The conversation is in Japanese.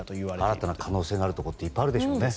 新たな可能性になるところいっぱいあるでしょうね。